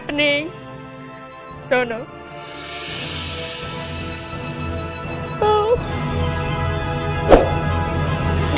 ini benar benar menakutkan buat saya